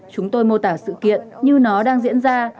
chúng tôi mô tả sự kiện như nó đang diễn ra